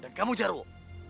dan kamu jarwo